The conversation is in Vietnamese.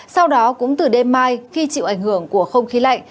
sau đó cũng từ đêm mai khi chịu ảnh hưởng của không khí lạnh